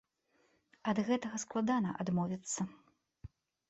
Ад гэтага складана адмовіцца.